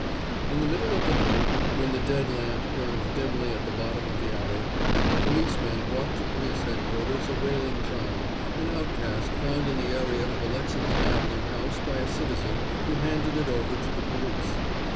In the middle of the night, when the dead lamp burned dimly at the bottom of the alley, a policeman brought to Police Headquarters a wailing child, an outcast found in the area of a Lexington avenue house by a citizen, who handed it over to the police.